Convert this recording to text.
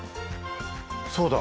そうだ！